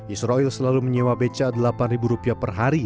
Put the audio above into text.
israel selalu menyewa beca delapan ribu rupiah per hari